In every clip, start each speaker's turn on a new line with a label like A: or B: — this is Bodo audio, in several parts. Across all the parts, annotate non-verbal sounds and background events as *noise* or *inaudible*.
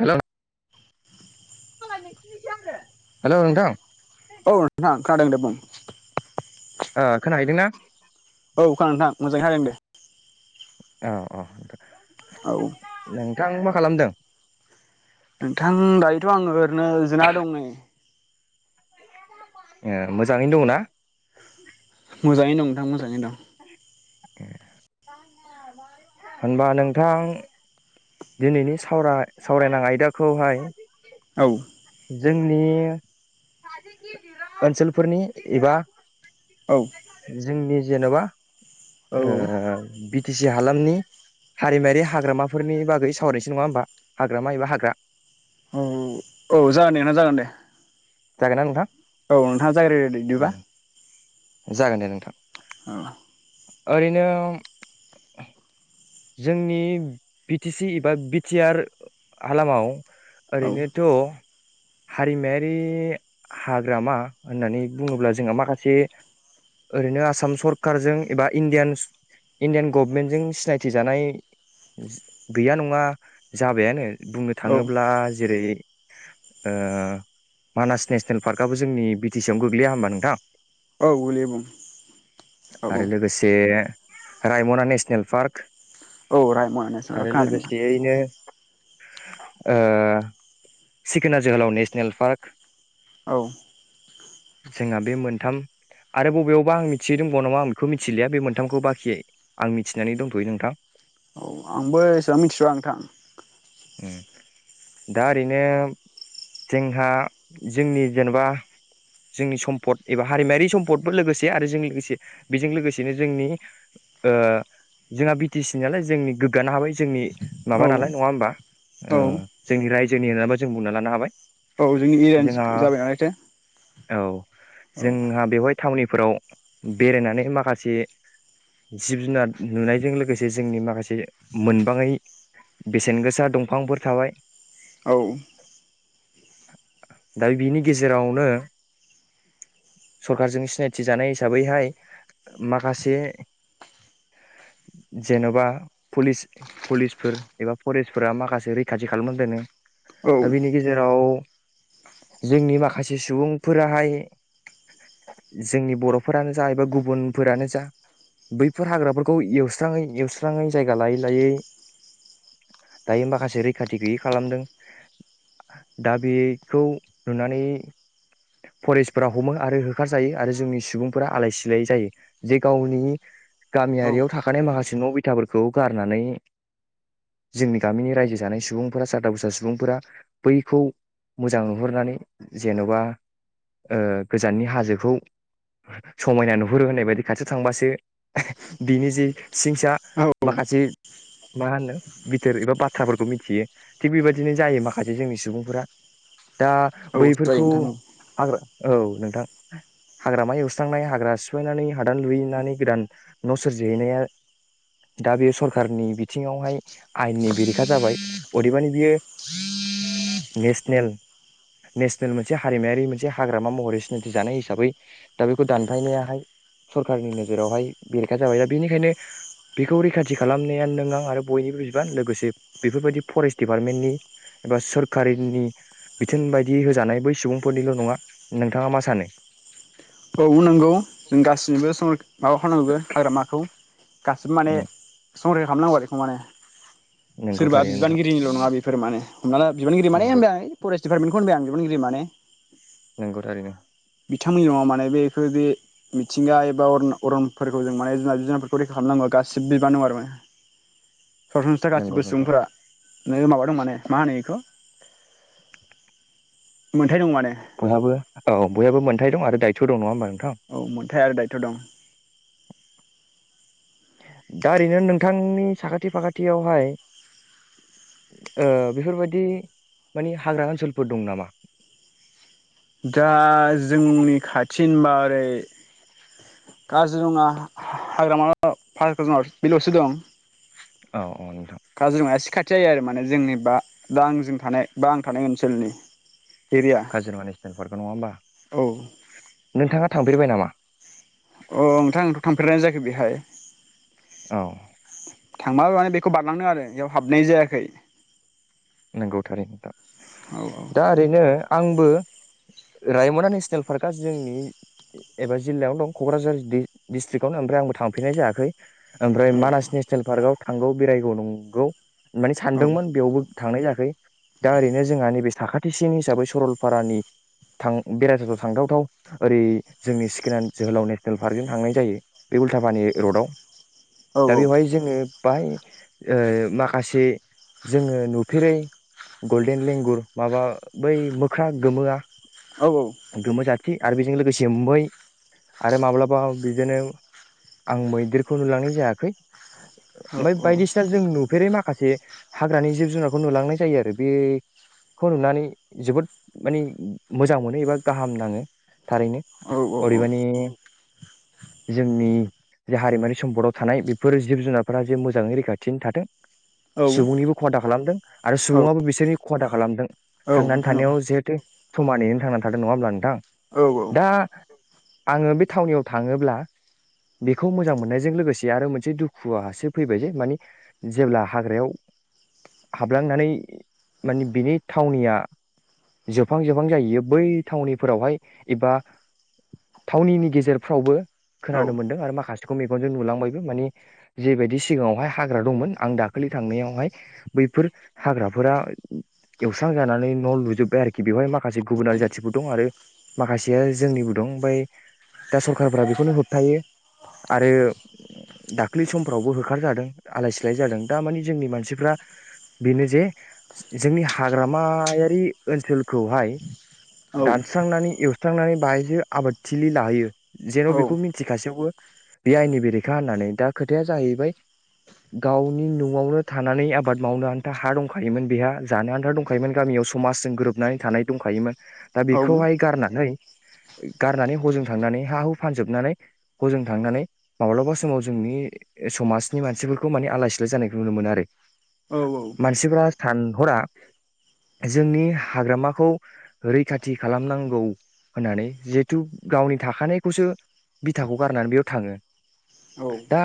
A: हेलौ हेलौ नोंथां
B: औ नोंथां खोनादों दे बुं *unintelligible*
A: ओ खोनाहैदोंना
B: औ खोनादों नोंथां मोजाङै खोनादों दे
A: अ अ
B: औ
A: नोंथां मा खालामदों
B: नोंथां दायोथ' आं ओरैनो जिरायना दं नै
A: ए मोजाङैनो दङनाा
B: मोजाङै दं नोंथां मोजाङैनो दं
A: होनबा नोंथां दिनैनि सावराय सावरायनां आयदाखौहाय
B: औ
A: जोंनि ओनसोलफोरनि एबा
B: औ
A: जोंनि जेनेबा
B: औ
A: टिसि हालामनि हारिमायारि हाग्रामाफोरनि बागै सावरायसै नङा होमबा हाग्रामा एबा हाग्रा
B: औ औ जागोन देना जागोन दे
A: जागोन ना नोंथां
B: औ नोंथाङा जागायग्रोदो बिदिबा
A: जागोन दे नोंथां
B: औ
A: ओरैनो जोंनि बि टि सि एबा बिटिआर हालामाव
B: औ
A: ओरैनोथ' हारिमायारि हाग्रामा होननानै बुङोब्ला जोंहा माखासे ओरैनो आसाम सरखारारजों एबा इण्डियान इण्डियान गभमेन्टजों सिनायथि जानाय गैया नङा जाबायानो बुंनो
B: औ
A: थाङोब्ला जेरै ओ मानास नेसनेल पार्कआबो जोंनि बि टि सि आवनो गोग्लैया होमबा नोंथां
B: औ गोलैयो बुं औ औ
A: आरो लोगोसे रायमना नेसनेल पार्क
B: औ राइमना नोसनेल
A: आरो
B: खोनादों।
A: लोगोसेयैनो ओ सिखोना जोहोलाव नेसनेल पार्क
B: औ
A: जोंहा बे मोनथाम आरो बबेयावबा आं मिथियै दंबावो नामा आं बेखौ मिथिलिया बे मोनथामखौ बाखियै आं मिथिनानै दंथ'यो नोंथां
B: औ आंबो एसेबां मिथिसआ नोंथां।
A: दा ओरैनो जोंहा जोंनि जेनेबा जोंनि सम्पद एबा हारिमायारि सम्पद बे लोगोसे आरो जों लोगोसे बेजों लोगोसेनो जोंनि ओ जोंहा बि टि सि नालाय जोंनि गोग्गानो हाबाय जोंनि
B: औ
A: माबा नालाय नङा होमबा ओ
B: औ
A: जोंनि रायजोनि जों बुंना लानो हाबाय
B: औ जोंनि एरियानि
A: जोंहा
B: जाबायनालायथो
A: औ। जोंहा बेवहाय थावनिफोराव बेरायनानै माखासे जिब जुनार नुनायजों लोगोसे जोंनि माखासे मोनबाङै बेसेन गोसा दंफांफोर थाबाय
B: औ।
A: दा बिनि गेजेरावनो सरखारजों सिनायथि जानाय हिसाबैहाय माखासे जेन'बा फुलिस पुलिसफोर एबा फरेस्टफोरा माखासे रैखाथि खालामनानै दोनो
B: औ
A: दा बिनि गेजेराव जोंनि माखासे सुबुंफोराहाय जोंनि बर'फोरानो जा एबा गुबुनफोरानो जा बैफोर हाग्राफोरखौ एवस्राङै एवस्राङै जायगा लायै लायै दायो माखासे रैखाथि गैयै खालामदों दा बेखौ नुनानै फरेस्टफोरा हमो आरो होखार जायो आरो जोंनि सुबुंफोरा आलाय सिलाय जायो जे गावनि
B: औ
A: गामियारियाव थाखानाय माखासे न बिथाफोरखौ गारनानै जोंनि गामिनि रायजो जानाय सुबुंफोरा सादा बुसा सुबुंफोरा बैखौ मोजां नहरनानै जेन'बा ओ गोजाननि हाजो खौ समायना नुहुरो होननाय बायदि खाथियाव थांबासो बिनि जि सिंसा माखासे मा होनो बिथोर एबा बाथ्राफोरखौ मिथियो थिग बेबायदिनो जायो माखासे जोंनि सुबुंफोरा दा
B: औ जायो
A: बैफोरखौ
B: नोंथां औ
A: हाग्रा औ नोंथां। हाग्रामा एवस्रांनाय हाग्रा सिफायनानै हादान लुहैनानै गोदान न' सोरजिहैनाया दा बेयो सरखारारनि बिथिङावहाय आयेननि बेरेखा जाबाय अदेबानि बियो नेसनेल नेसनेल मोनसे हारिमायारि मोनसे हाग्रामा महरै सिनायथि जानाय हिसाबै दा बेखौ दानफायनायाहाय सरखारारनि नोजोरावहाय बेरेखा जाबाय दा बेनिखायनो बेखौ रैखाथि खालामनाया नों आं आरो बयनिबो बिबान लोगोसे बेफोरबायदि फरेस्ट दिडिपार्टमेन्टनि एबा सोररकारिनि बिथोन बायदि होजानाय बै सुबुंफोरनिल' नङा। नोंथाङा मा सानो?
B: औ नंगौ जों गासैसिबो *unintelligible* हाग्रामाखौ गासिबो माने संरैखा खालामनांगौ आरो बेखौ माने।
A: नोंगौ
B: सोरबा
A: थारैनो नोंथां
B: बिबानगिरिनिल' नङा बे फोर माने। हमना ला बिबानगिरि माने
A: नोंगौ
B: ओमबाय फरेस्ट दिपारमेन्टखौ होनबाय आं बिबानगिरि माने
A: नोंगौ थारैनो।
B: बिथांमोननि न'आव माने बेखौ बे मिथिंगा एबा अरन अरनफोरखौ जों माने जुनार जुनारफोरखौ रैखा खालामनांगौआ गासिबो बिबान नं आरो माने सरासनस्रा
A: नोंगौ
B: गासिबो
A: नोंथां
B: सुबुंफोरा नोङो माबा दं माने मा होनो बेखौ मोन
A: बयहाबो औ बयहाबो मोनथथाय दं दायथ' दं नङा नों
B: औ मोनथाय आरो दायथ' दं
A: दा ओरैनो नोंथांनि साखाथि फाखाथियावहाय बेफोरबायदि माने हाग्रा ओनसोलफोर दं नामा
B: दा जोंनि खाथि होनोबा ओरै काजिरङा हाग्रामा बे ल'सो दं
A: औ-औ नोंथां
B: काजिरङाया एसे खाथि जायो आरो माने जोंनि बा दा आंजों थानाय बा आं थानाय ओनसोलनि एरिया
A: काजिरङानि जफोरखौ नङा होमा
B: औ
A: नोंथाङा थांफेरबाय नामा
B: अ नोंथां थांफेरनाय जायाखै बेहाय
A: औ
B: थांबाबो मानि बेखौ बारलांदों आरो बेयाव हाबनाय जायाखै
A: नंगौ थारैनो नोंथां
B: औ
A: दा ओरैनो आंबो रायमना नेसनेल पार्कआ जोंनि एबा जिल्लायावनो दं क'क्राझार डिस्ट्रिकआवनो ओमफ्राय आंबो थांफेरनाय जायाखै ओमफ्राय
B: औ
A: मानास नेसनेल पार्कआव थांगौ बेरायगौ नंगौ माने
B: औ
A: सानदोंमोन बेयावबो थांनाय जायाखै दा ओरैनो जोंहा नैबे साखाथि टिसिन हिसाबै सरलपारानि बेरायथावथाव थांथावथाव ओरै जोंनि सिखोनान जोहोलाव नेसनेल पार्कजों थांनाय जायो बे उल्थापानि रडआव
B: औ
A: दा बेवहाय जोङो बाय माखासे जोङो नु फेरै गल्डेन लेंगुर माबा बै मोख्रा गोमोआ
B: औ-औ
A: थि आरो बेजों लोगोसे मै आरो माब्लाबा बिदिनो आं मैदेरखौ नुलांनाय जायाखै ओमफ्राय
B: औ
A: बायदिसिना जों नुफेरै माखासे माखासे हाग्रानि जिब जुनार खौ नुलांनाय जायो आरो बेखौ नुनानै जोबोद माने मोजां मोनो एबा गाहाम नाङो थारैनो
B: औ औ
A: अदेबानि जोंनि जे हारिमुारि सम्पदाव थानाय बेफोर जिब जुनारफोरा जे मोजाङै रैखाथि थाथों
B: औ औ
A: सुबुंनिबो खहा दा खालामथों आरो सुबुङाबो बिसोरनि खहा दा खालामथों
B: औ
A: थांनानै
B: नोंथां
A: थानायाव जिहेथु समानैनो थांना थाथों नङा होनोमब्ला नोंथां?
B: औ औ
A: दा आङो बे थावनियाव थाङोब्ला बेखौ मोजां मोननायजों लोगोसे आरो मोनसे दुखुआासो फैबाय जे मानि जेब्ला हाग्रायाव, हाबलांनानै माने बिनि थावनिया जोबहां जोबहां जाहैयो बै थावनिफोरावहाय एबा थावनिनि गेजेरफ्रावबो खोनानो मोनदों आरो माखासे बिखौ मेगनजों नुलांबायबो माने जेबायदि सिगाङावहाय हाग्रा दंमोन आं दाखालि थांनायावहाय, बैफोर हाग्राफोरा एवस्रां जानानै न' लुजोब्बाय आरोखि बेवहाय मा, माखासे गुबुनारि जाथिफोर दं आरो माखासेया जोंनिबो दं ओमफ्राय दा सरखारफोरा बेखौनो होबथायो आरो दाखलि समफ्रावबो होखारजादों आलाय सिलाय जादों दा माने जोंनि मानसिफ्रा, बेनो जे जोंनि हाग्रामायारि ओनसोलखौहाय,
B: औ
A: दानस्रांनानै एव स्रांनानै बाहायजो आबादथिलि लाहोयो, जेन' बेखौ मिन्थिखासेयावबो बे आयेननि बेरेखा होननानै दा खोथाया जाहैबाय गावनि न'आवनो थानानै आब बाद मावनो आन्था हा दंखायोमोन बेहा जानो आन्था दंखायोमोन गामियाव समाजजों गोरोबनानै थानाय दंखायोमोन, दा
B: औ
A: बेखौहाय गारनानै, गारनानै हजों थांनानै हा हु फानजोबनानै हजों थांनानै माब्लाबा समाव जोंनि समाजनि मानसिफोरखौ माने आलाय सिलाय जानायखौ नुनो मोनो आरो
B: औ औ
A: मानसिफ्रा सानहरा जोंनि हाग्रामाखौ रैखाथि खालामनांगौ होननानै जिहेथु गावनि थाखानायखौसो बिथाखौ गारनानै बेयाव थाङो दा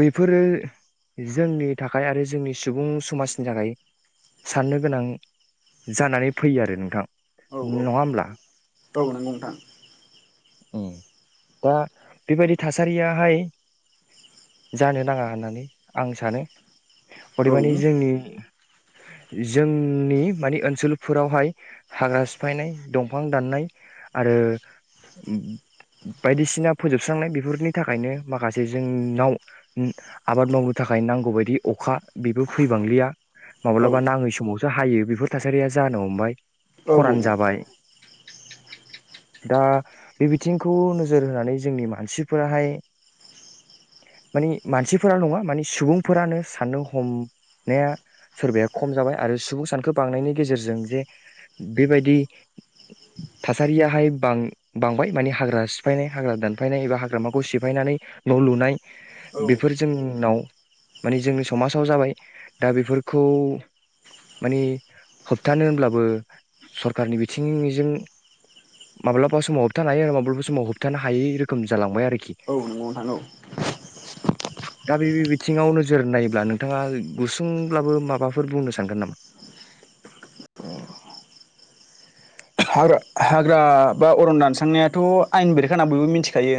A: बेफोरो जोंनि थाख थाखाय आरो जोंनि सुबुं समाजनि थाखाय साननो गोनां जानानै फैयो आरो नोंथां नङा होमब्ला,
B: औ नंगौ नोंथां
A: दा बेबायदि थासारियाहाय जानो नाङा होननानै आं सानो
B: औ
A: अदेमानि जोंनि, जोंनि मानि ओनसोलफोरावहाय हाग्रा सिफायनाय दंफां दाननाय आरो बायदिसिना फोजोबस्रांनाय बेफोरनि थाखायनो माखासे जोंनाव आबाद मावनो थाखाय नांगौ बायदि, अखा बेबो फैबांलिया
B: औ
A: माब्लाबा नाङै समावसो हायो बेफोर थासारिया जानो हमबाय, खरान जाबाय दा बे बिथिंखौ नोजोर होनानै जोंनि मानसिफोराहाय मानि मानसिफोरा नङा मानि सुबुंफोरानो साननो हमनाया सोरबाया खम जाबाय आरो सुबुं सानखो बांनायनि गेजेरजों जे बेबायदि थासारियाहाय बांबाय माने हाग्रा सिफायनाय हाग्रा दानफायनाय एबा हाग्रामाखौ सिफायनानै न' लुनाय
B: औ
A: बेफोर जोंनाव, मान जोंनि समाजाव जाबाय दा बेफोरखौ माने होबथानो होनब्लाबो सरखारनि बिथिंजों माब्लाबा समाव होबथानो हायो आरो माब्लाबा समाव होबथानो हायै रोखोम जालांबाय आरोखि,
B: *unintelligible*
A: दा बे बिथिङावनो, नोजोर नायोब्ला नोंथाङा गुसुंब्लाबो माबाफोर बुंनो सानगोन नामा?
B: औब्रा अरन दानस्रांनायाथ' आयेन बेरेखा होना बयबो मिथिखायो,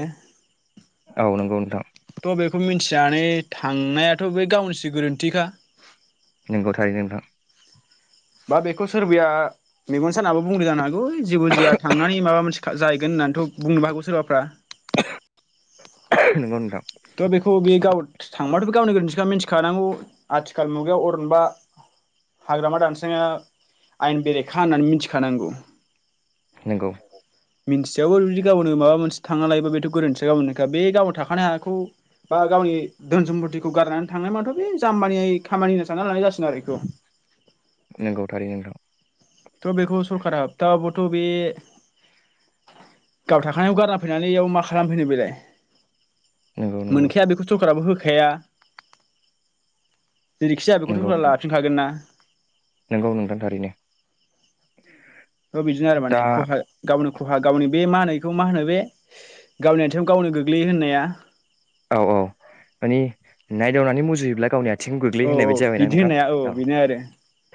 A: औ नंगौ नोंथां
B: थ' बेखौ मिथिनानै थांनायाथ' बे गावनिसो गोरोन्थिखा,
A: नंगौ थारै नोंथां,
B: बा बेखौ सोरबाया मेगन सानाबो बुंदो जानो हागौ बय जेबो जाया थांनानै माबा मोनसे जाहैगोन होन्नानैथ' बुंनोबो हागौ सोरबाफ्रा,
A: नंगौ नोंथां
B: थ' बेखौ बेयो गाव थांबाथ' गावनि गोरोन्थिखा मिथि खानांगौ आथिखाल मुगायाव अरनबा हाग्रामा दानस्राया आयेन बेरेखा होननानै मिथिखानांगौ
A: नोंगौ
B: मिन्थियाबाबो बिदि गावनो माबा मोनसे थांना लायोबा बेथ' गोरोन्थिया गावनिनोखा बे गावनो थाखानाय हाखौ बा गावनि धोन सम्तिखौ गारनानै थांनाय माथ' बे जाम्बानिनो खामानि सानना लानाय जासिगोन आरो बेखौ
A: नंगौ थारैनो नोंथां
B: बेखौ सरकारा होबथाबाबोथ' थ' बे गाव थाखानायाव गारना फैनानै बेयाव मा खालामफैदों बेलाय
A: नंगौ नंगौ
B: मोनखाया बेखौथ' होखाया जेरैखिजाया बेखौथ' लाफिनखागोन ना
A: नोंगौ नोंथां थारैनो
B: बे बिदिनो आरो माने
A: दा
B: खहा गावनो खुहा गावनि बे मा होनो बे गावनि आथिङाव गावनो गोग्लैयो होननाया
A: औ औ मानि नायदावनानै मुजुयोब्ला गावनि आ आथिङावनो गोग्लैयो
B: औ
A: होननाय
B: औ
A: बायदि जाबायना
B: बिदि
A: नोंथां
B: होननाया
A: औ
B: बेनो आरो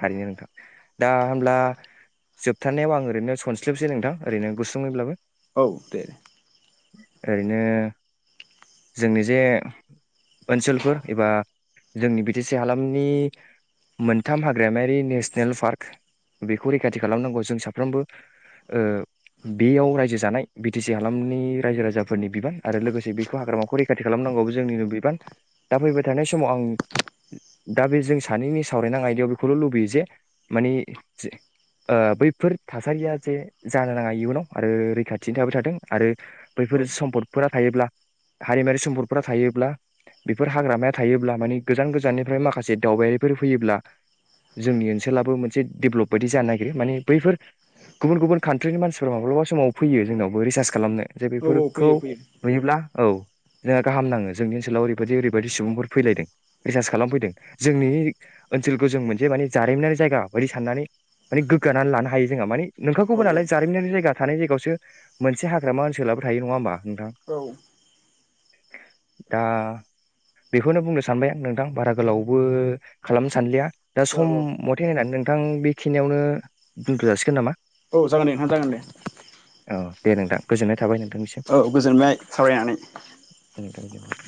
A: थारैनो नोंथां दा होमब्ला जोबथारनायाव आं ओरैनो सनस्लबसै नोंथां ओरैनो गुसुंङैब्लाबो
B: औ देे
A: ओरैनो जोंनि जे ओनसोलफोर एबा जोंनि बि टि सि हालामनि मोनथाम हाग्रामायारि नेसनेल पार्क बेखौ रैखाथि खालामनांगौ जों साफ्रोमबो बेयाव रायजो जानाय बि टि सि हालामनि रायजो राजाफोरनि बिबान आरो लोगोसे बेखौ हाग्रामा खौ रैखाथि खालामनांगौवा जोंनिनो बिबान दा फैबाय थानाय समाव आं दा बे जों सानैनि सावरायनां आयदायाव बेखौल' लुबैयो जे मानि बैफोर थासारिया जे जानो नाङा इयुनाव आरो रैखाथिनि थाबाय थाथों आरो बैफोर
B: औ
A: सम्पदफोरा हायोब्ला हारिमुवारि सम्पदफोरा थायोब्ला बेफोर हाग्रामाया थायोब्ला मानि गोजान गोजाननिफ्राय माखासे दावबायारिफोर फैयोब्ला जोंनि ओनसोलाबो मोनसे डेभेलप बायदि जानो नागिरो माने बैफोर गुबुन गुबुन कान्ट्रिनि मानसिफोराबो माब्लाबा समाव फैयो जोंनावबो रिसार्च खालामनो जे
B: औ औ
A: बेफोरखौ
B: फैयो फैयो
A: नुयोब्ला औ जोंहा गाहाम नाङो जोंनि ओनसोलाव ओरैबायदि ओरैबायदि सुबुंफोर फैलायदों रिसार्च खालामफैदों जोंनि ओनसोलखौ जों मोनसे माने जारिमिनारि जायगा बायदि साननानै माने गोग्गानानै लानो हायो जोंहा माने
B: औ
A: नोंखाखौबो नालाय जारिमिनारि जायगा थानाय जायगायावसो मोनसे हाग्रामा ओनसोलावबो थायो नङा होमबा नोंथां
B: औ
A: दा बेखौनो बुंनो सानबाय आं नोंथां बारा गोलावबो खालामनो सानलिया दा
B: औ
A: सम
B: औ
A: मथे होननानै नोंथां बेखिनियावनो दोनथ' जासिगोन नामा
B: औ जागोन दे नोंथां जागोन दे
A: औ दे नोंदां गोजोननाय थाबाय नों
B: औ गोजोनबाय सावरायना
A: जब